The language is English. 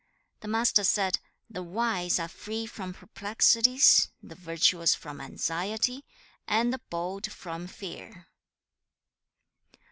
The Master said, 'The wise are free from perplexities; the virtuous from anxiety; and the bold from fear.'